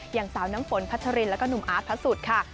อย่างสาวน้ำฝนพัชรินและก็หนุ่มอาร์ดพัสสุดค่ะ